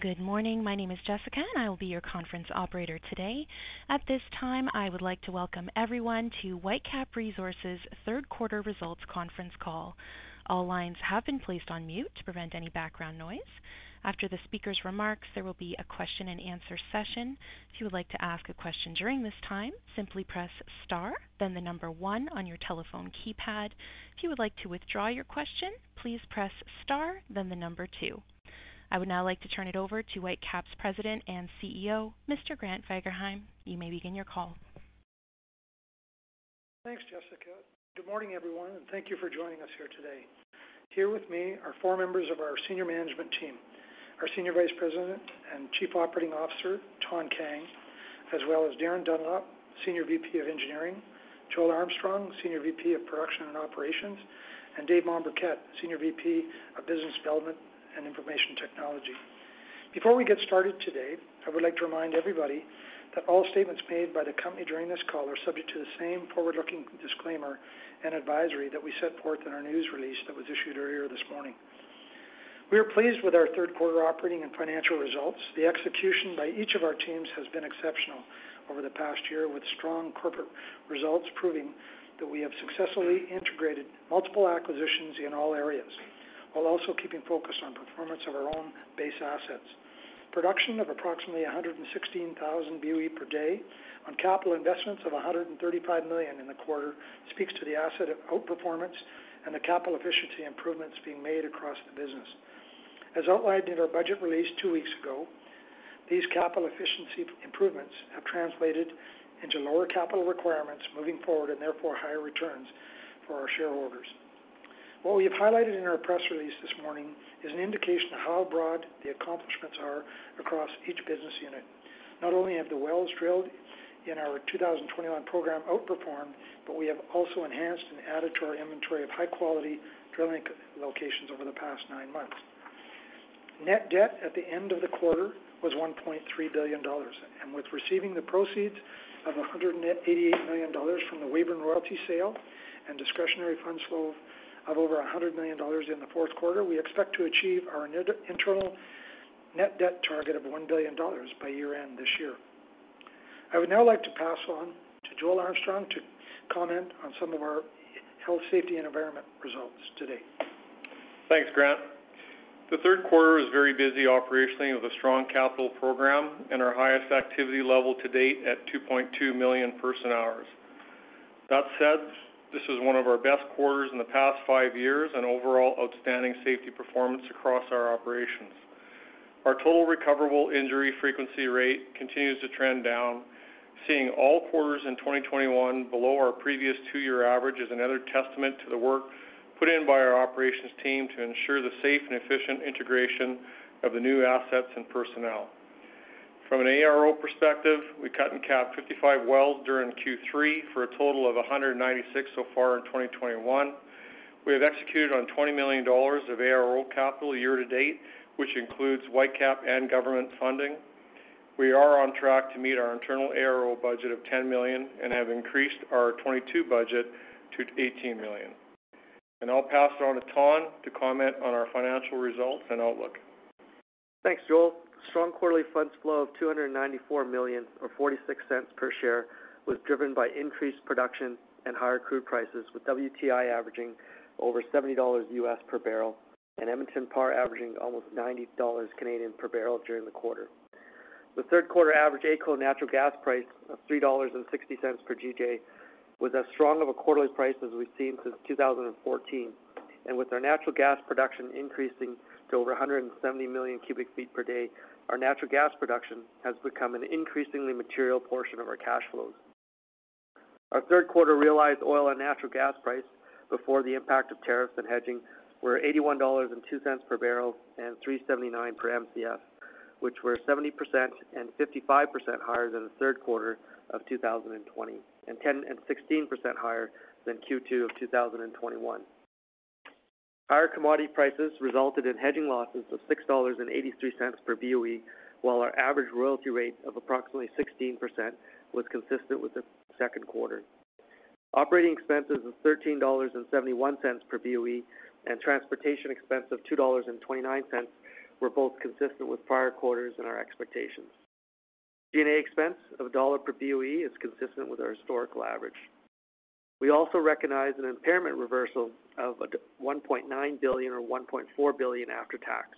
Good morning. My name is Jessica, and I will be your conference operator today. At this time, I would like to welcome everyone to Whitecap Resources Q3 results conference call. All lines have been placed on mute to prevent any background noise. After the speaker's remarks, there will be a question-and-answer session. If you would like to ask a question during this time, simply press star then the number one on your telephone keypad. If you would like to withdraw your question, please press star then the number two. I would now like to turn it over to Whitecap's President and CEO, Mr. Grant Fagerheim. You may begin your call. Thanks, Jessica. Good morning, everyone, and thank you for joining us here today. Here with me are four members of our senior management team, our Senior Vice President and Chief Operating Officer, Thanh Kang, as well as Darin Dunlop, Senior VP of Engineering, Joel Armstrong, Senior VP of Production and Operations, and Dave Mombourquette, Senior VP of Business Development and Information Technology. Before we get started today, I would like to remind everybody that all statements made by the company during this call are subject to the same forward-looking disclaimer and advisory that we set forth in our news release that was issued earlier this morning. We are pleased with our Q3 operating and financial results. The execution by each of our teams has been exceptional over the past year, with strong corporate results proving that we have successfully integrated multiple acquisitions in all areas while also keeping focus on performance of our own base assets. Production of approximately 116,000 BOE per day on capital investments of 135 million in the quarter speaks to the asset outperformance and the capital efficiency improvements being made across the business. As outlined in our budget release two weeks ago, these capital efficiency improvements have translated into lower capital requirements moving forward and therefore higher returns for our shareholders. What we have highlighted in our press release this morning is an indication of how broad the accomplishments are across each business unit. Not only have the wells drilled in our 2021 program outperformed, but we have also enhanced and added to our inventory of high-quality drilling locations over the past nine months. Net debt at the end of the quarter was 1.3 billion dollars. With receiving the proceeds of 188 million dollars from the Weyburn royalty sale and discretionary funds flow of over 100 million dollars in the Q4, we expect to achieve our net debt target of 1 billion dollars by year-end this year. I would now like to pass on to Joel Armstrong to comment on some of our health, safety and environment results today. Thanks, Grant. The Q3 was very busy operationally with a strong capital program and our highest activity level to date at 2.2 million person-hours. That said, this is one of our best quarters in the past 5 years and overall outstanding safety performance across our operations. Our total recoverable injury frequency rate continues to trend down, seeing all quarters in 2021 below our previous two-year average, is another testament to the work put in by our operations team to ensure the safe and efficient integration of the new assets and personnel. From an ARO perspective, we cut and cap 55 wells during Q3 for a total of 196 so far in 2021. We have executed on 20 million dollars of ARO capital year to date, which includes Whitecap and government funding. We are on track to meet our internal ARO budget of 10 million and have increased our 2022 budget to 18 million. I'll pass it on to Thanh to comment on our financial results and outlook. Thanks, Joel. Strong quarterly funds flow of 294 million or 0.46 per share was driven by increased production and higher crude prices, with WTI averaging over $70 per barrel and Edmonton Par averaging almost 90 Canadian dollars per barrel during the quarter. The Q3 average AECO natural gas price of 3.60 dollars per GJ was as strong of a quarterly price as we've seen since 2014. With our natural gas production increasing to over 170 million cubic feet per day, our natural gas production has become an increasingly material portion of our cash flows. Our Q3 realized oil and natural gas price before the impact of tariffs and hedging were CAD 81.02 per barrel and 3.79 per Mcf, which were 70% and 55% higher than the Q3 of 2020, and 10% and 16% higher than Q2 of 2021. Higher commodity prices resulted in hedging losses of 6.83 dollars per BOE, while our average royalty rate of approximately 16% was consistent with the Q2. Operating expenses of 13.71 dollars per BOE and transportation expense of 2.29 dollars were both consistent with prior quarters and our expectations. G&A expense of CAD 1 per BOE is consistent with our historical average. We also recognized an impairment reversal of 1.9 billion or 1.4 billion after tax.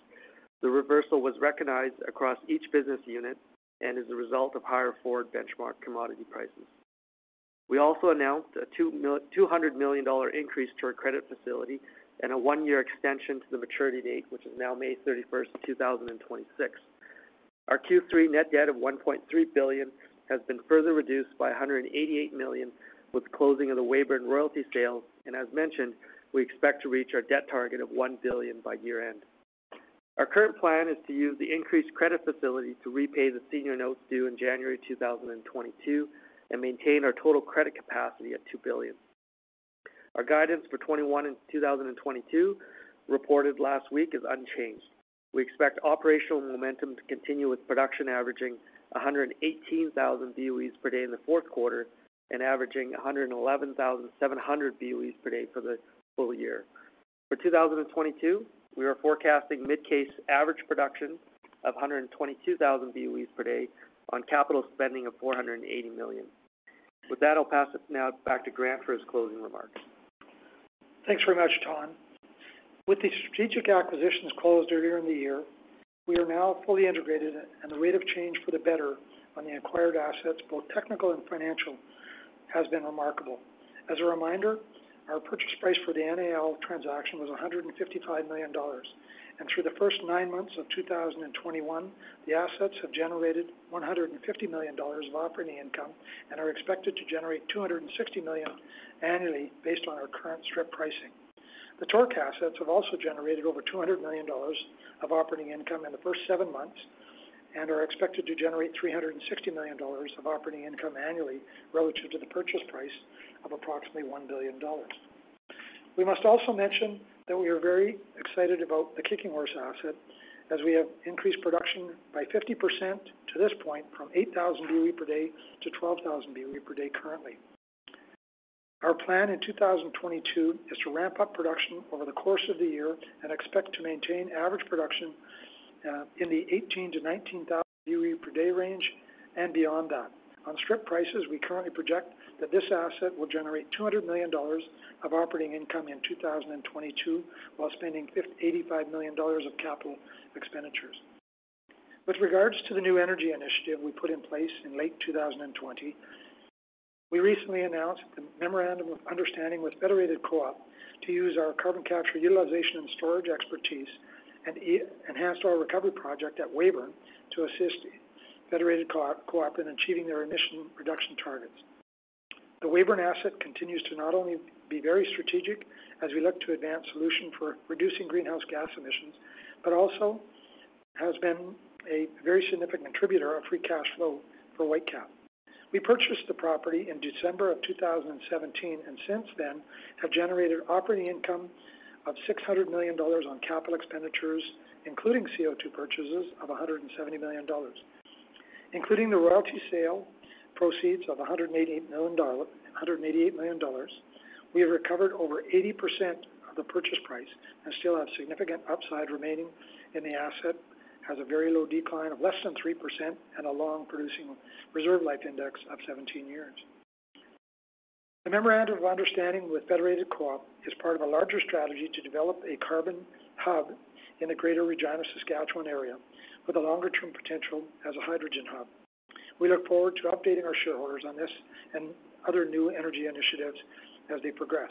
The reversal was recognized across each business unit and is a result of higher forward benchmark commodity prices. We also announced a 200 million dollar increase to our credit facility and a one-year extension to the maturity date, which is now May 31, 2026. Our Q3 net debt of 1.3 billion has been further reduced by 188 million with closing of the Weyburn royalty sale. As mentioned, we expect to reach our debt target of 1 billion by year-end. Our current plan is to use the increased credit facility to repay the senior notes due in January 2022 and maintain our total credit capacity at 2 billion. Our guidance for 2021 and 2022 reported last week is unchanged. We expect operational momentum to continue with production averaging 118,000 BOEs per day in the Q4 and averaging 111,700 BOEs per day for the full year. For 2022, we are forecasting mid-case average production of 122,000 BOEs per day on capital spending of 480 million. With that, I'll pass it now back to Grant for his closing remarks. Thanks very much, Thanh. With the strategic acquisitions closed earlier in the year, we are now fully integrated, and the rate of change for the better on the acquired assets, both technical and financial, has been remarkable. As a reminder, our purchase price for the NAL transaction was 155 million dollars. Through the first nine months of 2021, the assets have generated 150 million dollars of operating income and are expected to generate 260 million annually based on our current strip pricing. The TORC assets have also generated over 200 million dollars of operating income in the first seven months and are expected to generate 360 million dollars of operating income annually relative to the purchase price of approximately 1 billion dollars. We must also mention that we are very excited about the Kicking Horse asset as we have increased production by 50% to this point from 8,000 BOE per day to 12,000 BOE per day currently. Our plan in 2022 is to ramp up production over the course of the year and expect to maintain average production in the 18,000-19,000 BOE per day range and beyond that. On strip prices, we currently project that this asset will generate 200 million dollars of operating income in 2022, while spending 85 million dollars of capital expenditures. With regards to the new energy initiative we put in place in late 2020, we recently announced the memorandum of understanding with Federated Co-op to use our carbon capture utilization and storage expertise and EOR-enhanced oil recovery project at Weyburn to assist Federated Co-op in achieving their initial production targets. The Weyburn asset continues to not only be very strategic as we look to advance solutions for reducing greenhouse gas emissions, but also has been a very significant contributor of free cash flow for Whitecap. We purchased the property in December of 2017, and since then have generated operating income of 600 million dollars on capital expenditures, including CO2 purchases of 170 million dollars. Including the royalty sale proceeds of 188 million dollars, we have recovered over 80% of the purchase price and still have significant upside remaining, and the asset has a very low decline of less than 3% and a long-producing reserve life index of 17 years. The memorandum of understanding with Federated Co-op is part of a larger strategy to develop a carbon hub in the greater Regina, Saskatchewan area with a longer-term potential as a hydrogen hub. We look forward to updating our shareholders on this and other new energy initiatives as they progress.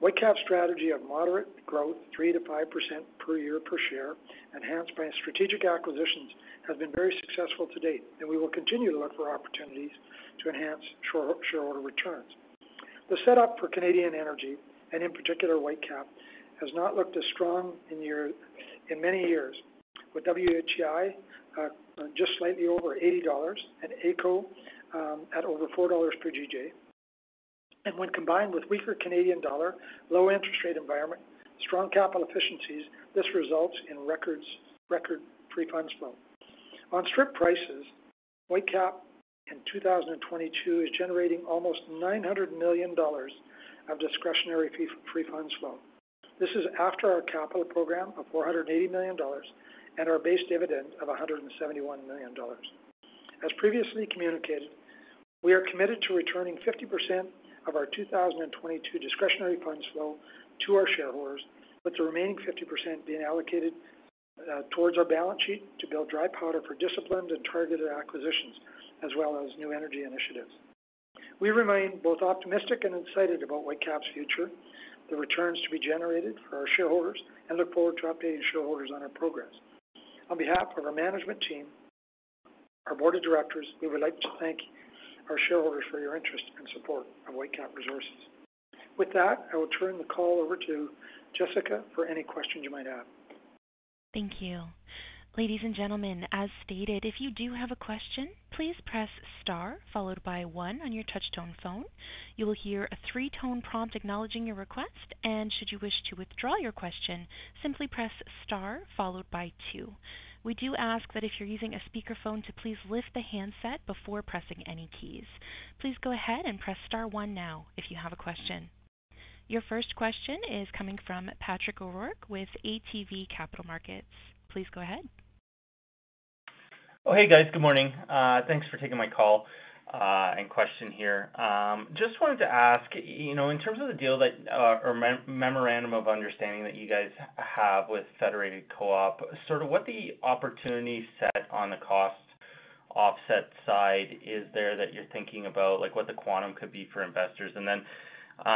Whitecap's strategy of moderate growth, 3%-5% per year per share, enhanced by strategic acquisitions, has been very successful to date, and we will continue to look for opportunities to enhance shareholder returns. The setup for Canadian energy, and in particular, Whitecap, has not looked as strong in many years with WTI just slightly over $80 and AECO at over 4 dollars per GJ. When combined with weaker Canadian dollar, low interest rate environment, strong capital efficiencies, this results in record free funds flow. On strip prices, Whitecap in 2022 is generating almost 900 million dollars of discretionary free funds flow. This is after our capital program of 480 million dollars and our base dividend of 171 million dollars. As previously communicated, we are committed to returning 50% of our 2022 discretionary funds flow to our shareholders, with the remaining 50% being allocated towards our balance sheet to build dry powder for disciplined and targeted acquisitions, as well as new energy initiatives. We remain both optimistic and excited about Whitecap's future, the returns to be generated for our shareholders, and look forward to updating shareholders on our progress. On behalf of our management team, our board of directors, we would like to thank our shareholders for your interest and support of Whitecap Resources. With that, I will turn the call over to Jessica for any questions you might have. Thank you. Ladies and gentlemen, as stated, if you do have a question, please press star followed by one on your touch-tone phone. You will hear a three-tone prompt acknowledging your request, and should you wish to withdraw your question, simply press star followed by two. We do ask that if you're using a speakerphone to please lift the handset before pressing any keys. Please go ahead and press star one now if you have a question. Your first question is coming from Patrick O'Rourke with ATB Capital Markets. Please go ahead. Hey guys, good morning. Thanks for taking my call and question here. Just wanted to ask, you know, in terms of the deal that or memorandum of understanding that you guys have with Federated Co-op, sort of what the opportunity set on the cost offset side is there that you're thinking about, like what the quantum could be for investors? As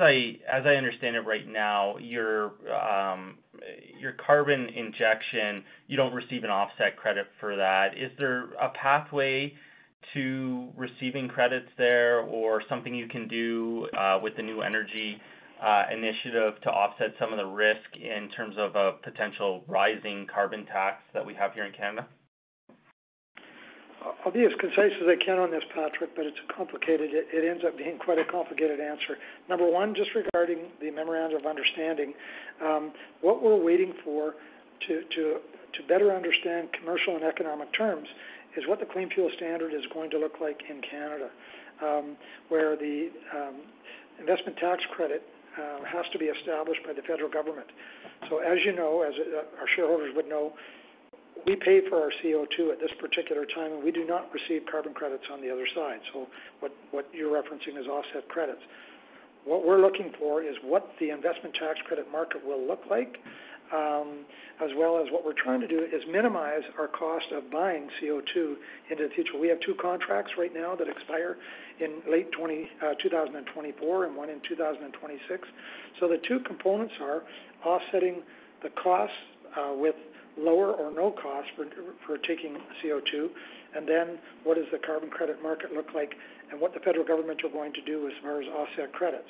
I understand it right now, your carbon injection, you don't receive an offset credit for that. Is there a pathway to receiving credits there or something you can do with the new energy initiative to offset some of the risk in terms of a potential rising carbon tax that we have here in Canada? I'll be as concise as I can on this, Patrick, but it's complicated. It ends up being quite a complicated answer. Number one, just regarding the memorandum of understanding, what we're waiting for to better understand commercial and economic terms is what the Clean Fuel Standard is going to look like in Canada, where the investment tax credit has to be established by the federal government. As you know, as our shareholders would know. We pay for our CO2 at this particular time, and we do not receive carbon credits on the other side. What you're referencing is offset credits. What we're looking for is what the investment tax credit market will look like, as well as what we're trying to do is minimize our cost of buying CO2 in the future. We have two contracts right now that expire in late 2024 and one in 2026. The two components are offsetting the costs with lower or no cost for taking CO2, and then what does the carbon credit market look like and what the federal government are going to do as far as offset credits.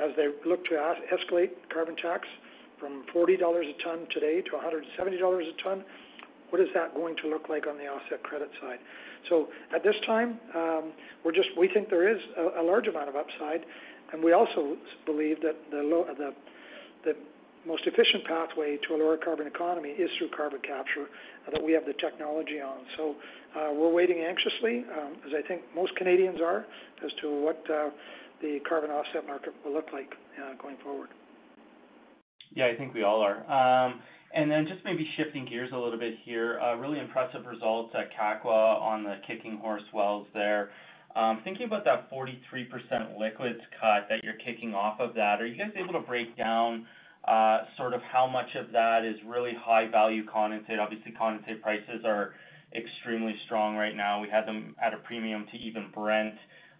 As they look to escalate carbon tax from 40 dollars a ton today to 170 dollars a ton, what is that going to look like on the offset credit side? At this time, we think there is a large amount of upside, and we also believe that the most efficient pathway to a lower carbon economy is through carbon capture, and that we have the technology on. We're waiting anxiously, as I think most Canadians are, as to what the carbon offset market will look like going forward. Yeah, I think we all are. Just maybe shifting gears a little bit here, really impressive results at Kakwa on the Kicking Horse wells there. Thinking about that 43% liquids cut that you're kicking off of that, are you guys able to break down sort of how much of that is really high-value condensate? Obviously, condensate prices are extremely strong right now. We have them at a premium to even Brent.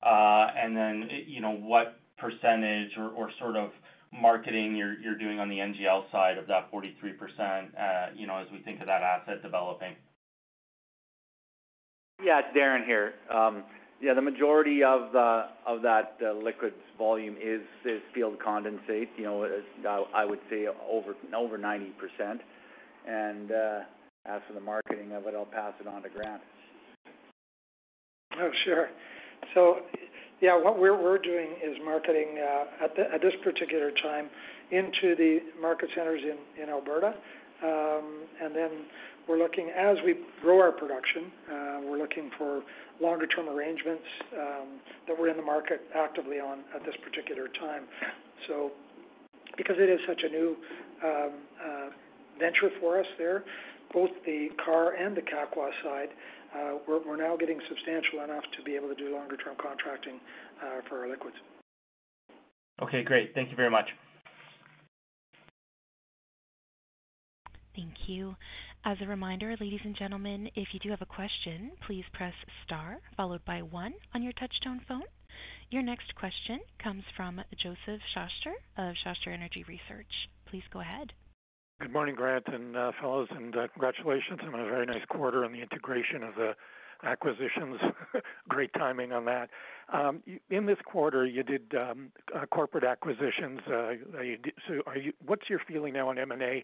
You know, what percentage or sort of marketing you're doing on the NGL side of that 43%, you know, as we think of that asset developing. Yeah, it's Darin here. Yeah, the majority of that liquids volume is field condensate. You know, I would say over 90%. As for the marketing of it, I'll pass it on to Grant. Oh, sure. Yeah, what we're doing is marketing at this particular time into the market centers in Alberta. We're looking, as we grow our production, for longer term arrangements that we're in the market actively on at this particular time. Because it is such a new venture for us there, both the Karr and the Kakwa side, we're now getting substantial enough to be able to do longer term contracting for our liquids. Okay, great. Thank you very much. Thank you. As a reminder, ladies and gentlemen, if you do have a question, please press star followed by one on your touchtone phone. Your next question comes from Josef Schachter of Schachter Energy Research. Please go ahead. Good morning, Grant and fellows, and congratulations on a very nice quarter on the integration of the acquisitions. Great timing on that. In this quarter, you did corporate acquisitions. So what's your feeling now on M&A?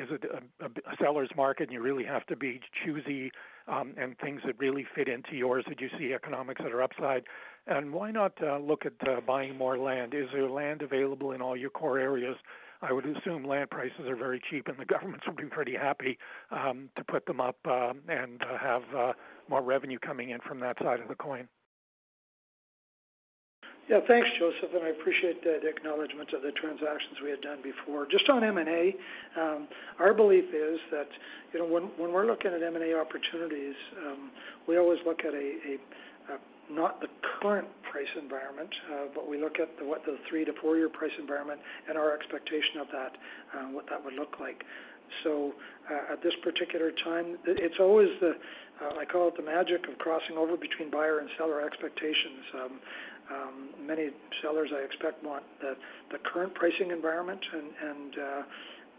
Is it a seller's market and you really have to be choosy, and things that really fit into yours? Did you see economics that are upside? Why not look at buying more land? Is there land available in all your core areas? I would assume land prices are very cheap and the governments would be pretty happy to put them up, and to have more revenue coming in from that side of the coin. Yeah. Thanks, Josef, and I appreciate that acknowledgement of the transactions we had done before. Just on M&A, our belief is that, you know, when we're looking at M&A opportunities, we always look at not the current price environment, but we look at what the 3- to 4-year price environment and our expectation of that, what that would look like. At this particular time, it's always the, I call it the magic of crossing over between buyer and seller expectations. Many sellers I expect want the current pricing environment,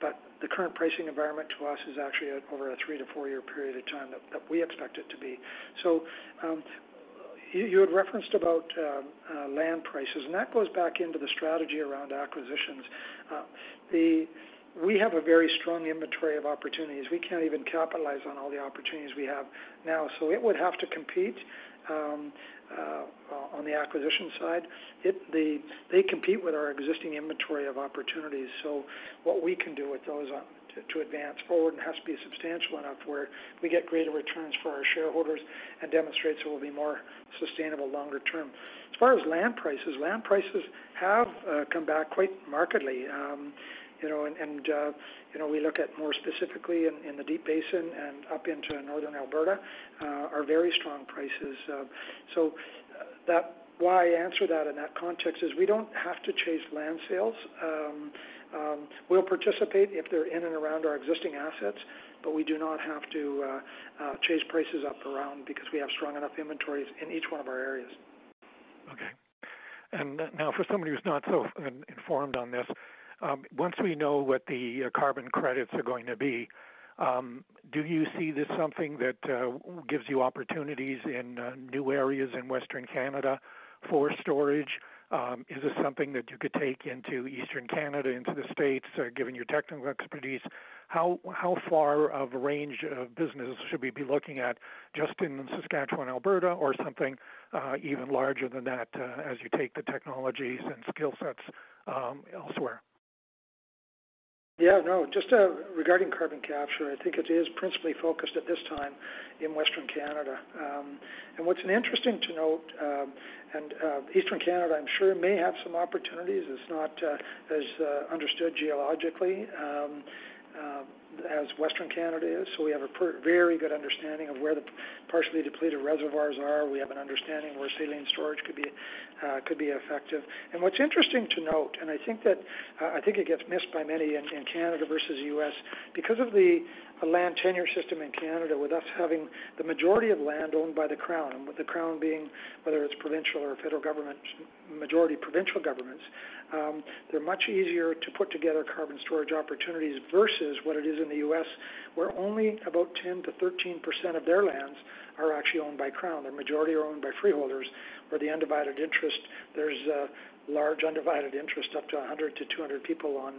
but the current pricing environment to us is actually over a 3- to 4-year period of time that we expect it to be. You had referenced about land prices, and that goes back into the strategy around acquisitions. We have a very strong inventory of opportunities. We can't even capitalize on all the opportunities we have now. It would have to compete on the acquisition side. They compete with our existing inventory of opportunities. What we can do with those to advance forward and has to be substantial enough where we get greater returns for our shareholders and demonstrates it will be more sustainable longer term. As far as land prices, land prices have come back quite markedly. You know, you know, we look at more specifically in the Deep Basin and up into Northern Alberta are very strong prices. Why I answer that in that context is we don't have to chase land sales. We'll participate if they're in and around our existing assets, but we do not have to chase prices up around because we have strong enough inventories in each one of our areas. Okay. Now for somebody who's not so informed on this, once we know what the carbon credits are going to be, do you see this something that gives you opportunities in new areas in Western Canada for storage? Is this something that you could take into Eastern Canada, into the States, given your technical expertise? How far of a range of business should we be looking at just in Saskatchewan, Alberta or something even larger than that, as you take the technologies and skill sets elsewhere? Yeah, no, just regarding carbon capture, I think it is principally focused at this time in Western Canada. What's interesting to note, Eastern Canada, I'm sure may have some opportunities. It's not as understood geologically as Western Canada is. We have a very good understanding of where the partially depleted reservoirs are. We have an understanding of where saline storage could be effective. What's interesting to note, I think it gets missed by many in Canada versus U.S., because of the land tenure system in Canada, with us having the majority of land owned by the Crown, with the Crown being, whether it's provincial or federal government, majority provincial governments, they're much easier to put together carbon storage opportunities versus what it is in the U.S., where only about 10%-13% of their lands are actually owned by Crown. The majority are owned by freeholders or the undivided interest. There's a large undivided interest, up to 100-200 people on,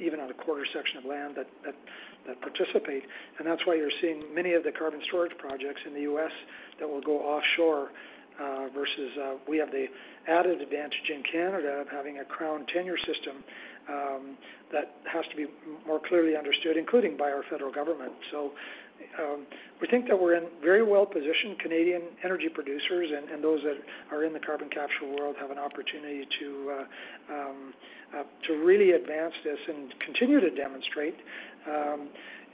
even on a quarter section of land that participate, and that's why you're seeing many of the carbon storage projects in the U.S. that will go offshore, versus, we have the added advantage in Canada of having a Crown tenure system that has to be more clearly understood, including by our federal government. We think that we're very well positioned Canadian energy producers and those that are in the carbon capture world have an opportunity to really advance this and continue to demonstrate,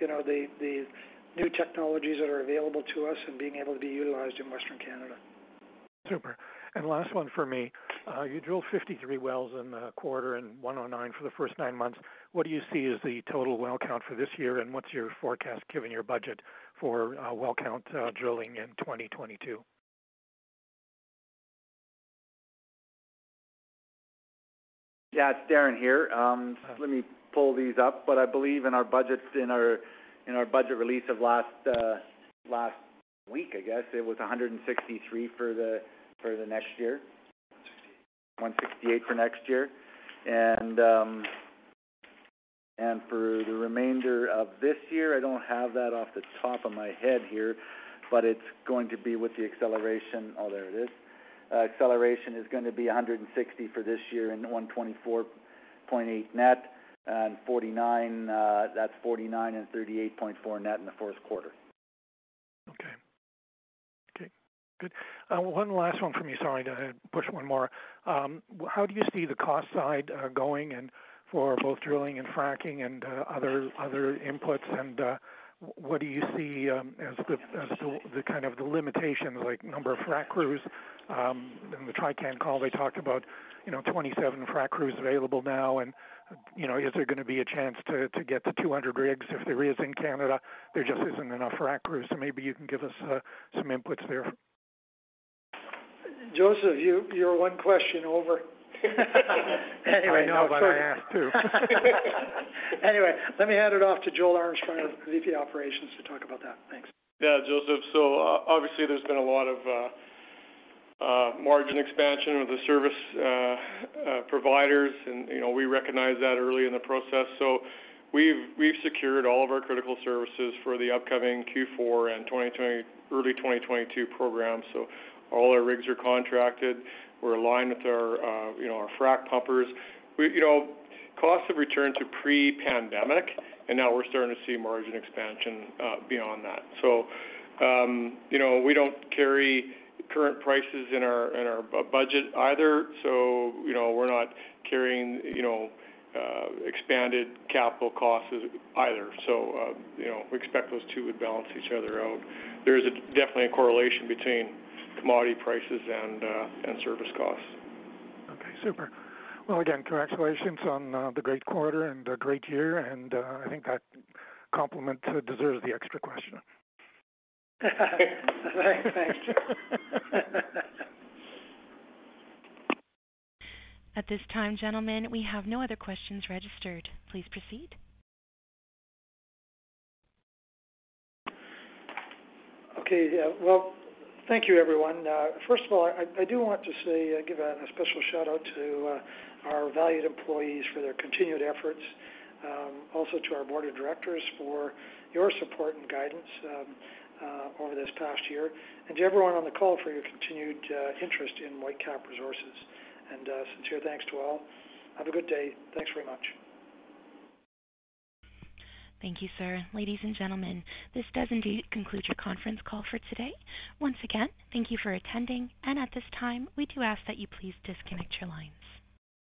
you know, the new technologies that are available to us and being able to be utilized in Western Canada. Super. Last one for me. You drilled 53 wells in the quarter and 109 for the first nine months. What do you see as the total well count for this year, and what's your forecast given your budget for well count drilling in 2022? Yeah, it's Darin here. Let me pull these up, but I believe in our budgets, in our budget release of last week, I guess, it was 163 for the next year. 168. 168 for next year. For the remainder of this year, I don't have that off the top of my head here, but it's going to be with the acceleration. Oh, there it is. Acceleration is gonna be 160 for this year and 124.8 net and 49. That's 49 and 38.4 net in the Q4. Okay. Okay, good. One last one for me. Sorry to push one more. How do you see the cost side going and for both drilling and fracking and other inputs, and what do you see as the kind of limitations like number of frac crews, in the Trican call, they talked about, you know, 27 frac crews available now and, you know, is there gonna be a chance to get to 200 rigs if there is in Canada? There just isn't enough frac crews. Maybe you can give us some inputs there. Joseph, you're one question over. Anyway. I know, but I asked two. Anyway, let me hand it off to Joel Armstrong, our VP Operations, to talk about that. Thanks. Yeah, Joseph. Obviously there's been a lot of margin expansion with the service providers and, you know, we recognized that early in the process. We've secured all of our critical services for the upcoming Q4 and early 2022 programs, so all our rigs are contracted. We're aligned with our frac pumpers. You know, costs have returned to pre-pandemic, and now we're starting to see margin expansion beyond that. We don't carry current prices in our budget either, so you know, we're not carrying expanded capital costs either. You know, we expect those two would balance each other out. There is definitely a correlation between commodity prices and service costs. Okay, super. Well, again, congratulations on the great quarter and a great year, and I think that compliment deserves the extra question. Thanks. At this time, gentlemen, we have no other questions registered. Please proceed. Okay. Yeah. Well, thank you, everyone. First of all, I do want to say give a special shout-out to our valued employees for their continued efforts, also to our board of directors for your support and guidance over this past year, and to everyone on the call for your continued interest in Whitecap Resources, and sincere thanks to all. Have a good day. Thanks very much. Thank you, sir. Ladies and gentlemen, this does indeed conclude your conference call for today. Once again, thank you for attending, and at this time, we do ask that you please disconnect your lines.